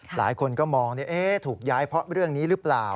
หลายคนก็มองถูกย้ายเพราะเรื่องนี้หรือเปล่า